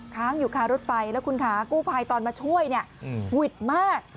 ค้างอยู่คารถไฟแล้วคุณคะกู้ภัยตอนมาช่วยเนี่ยหวิดมาก